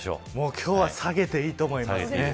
今日は下げていいと思います。